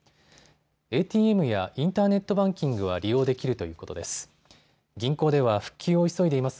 ＡＴＭやインターネットバンキングは利用できるということです。